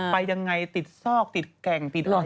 ไปอย่างไรติดซอกติดแก่งติดอะไรอย่างนี้